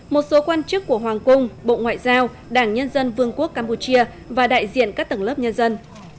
một số quan chức của hoàng cung bộ ngoại giao đảng nhân dân vương quốc campuchia và đại diện các tầng lớp nhân dân